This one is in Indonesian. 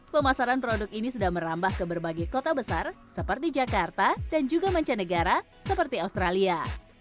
pemasaran produk ini sudah merambah ke berbagai kota besar seperti jakarta dan juga mancanegara seperti australia